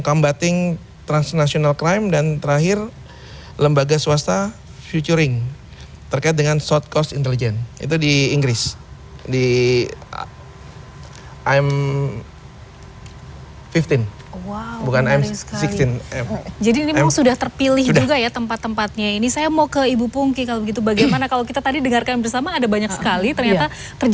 combating transnational crime dan terakhir lembaga swasta futuring terkait dengan soft course